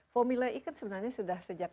formula e kan sebenarnya sudah sejak